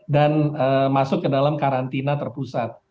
dan masuk ke dalam karantina terpusat